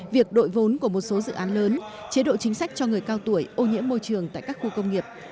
việc đội vốn của một số dự án lớn chế độ chính sách cho người cao tuổi ô nhiễm môi trường tại các khu công nghiệp